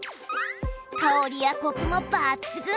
香りやコクも抜群！